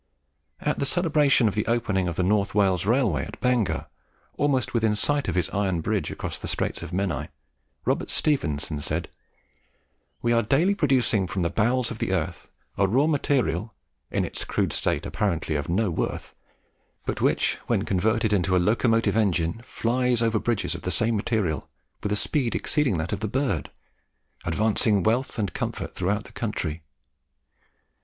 At the celebration of the opening of the North Wales Railway at Bangor, almost within sight of his iron bridge across the Straits of Menai, Robert Stephenson said, "We are daily producing from the bowels of the earth a raw material, in its crude state apparently of no worth, but which, when converted into a locomotive engine, flies over bridges of the same material, with a speed exceeding that of the bird, advancing wealth and comfort throughout the country.